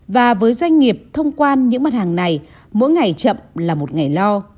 và với doanh nghiệp thông quan những mặt hàng này mỗi ngày chậm là một ngày lo